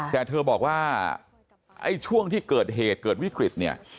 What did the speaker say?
แต่เธอบอกว่าช่วงที่เกิดเหตุเกิดวิกฤต